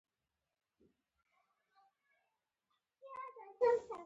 ایا زما خاوند به له ما څخه راضي وي؟